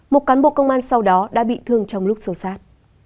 một cán bộ công an sau đó đã bị thương trong lúc sâu sát